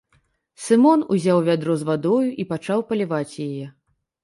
Сымон узяў вядро з вадою і пачаў паліваць яе.